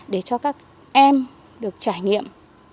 để cho các em được trải nghiệm